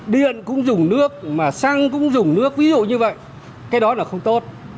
điện cũng dùng nước mà xăng cũng dùng nước ví dụ như vậy cái đó là không tốt